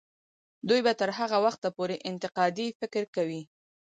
دوی به تر هغه وخته پورې انتقادي فکر کوي.